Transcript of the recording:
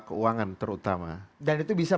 keuangan terutama dan itu bisa